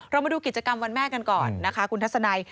มาดูกิจกรรมวันแม่กันก่อนนะคะคุณทัศนัย